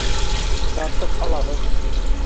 Тартып алабыҙ!